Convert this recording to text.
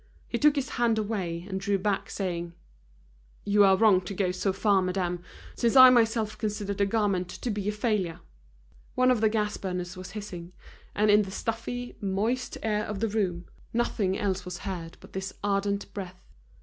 He took his hand away, and drew back, saying: "You are wrong to go so far, madame, since I myself consider the garment to be a failure." One of the gas burners was hissing, and in the stuffy, moist air of the room, nothing else was heard but this ardent breath.